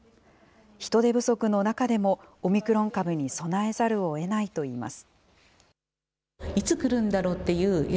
人手不足の中でも、オミクロン株に備えざるをえないといいます。